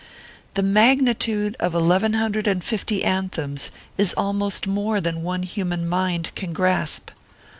The magnitude of eleven hundred and fifty " an thems" is almost more than one human mind can grasp.